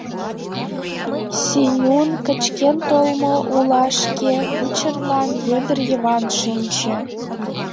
Сенюн кычкен толмо улашке кучерлан Вӧдыр Йыван шинче.